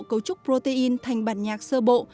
cấu trúc protein thành bản nhạc sơ bộ